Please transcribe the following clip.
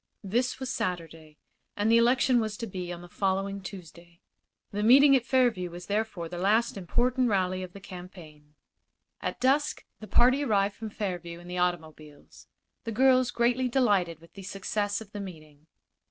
This was Saturday, and the election was to be on the following Tuesday. The meeting at Fairview was therefore the last important rally of the campaign. At dusk the party arrived from Fairview in the automobiles, the girls greatly delighted with the success of the meeting.